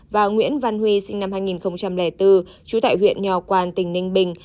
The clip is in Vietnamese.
và nguyễn văn huy sinh năm hai nghìn bốn chú tại huyện nhò quàn tỉnh ninh bình